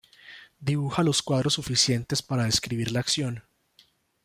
Dibuja los cuadros suficientes para describir la acción.